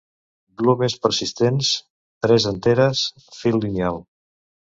Glumes persistents; tres anteres. Fil lineal.